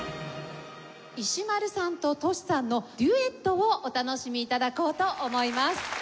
石丸さんとＴｏｓｈｌさんのデュエットをお楽しみ頂こうと思います。